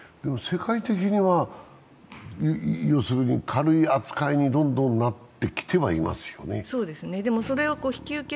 世界的には軽い扱いにどんどんなってきてはいますよね。